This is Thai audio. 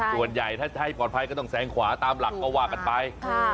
ส่วนใหญ่ถ้าจะให้ปลอดภัยก็ต้องแสงขวาตามหลักก็ว่ากันไป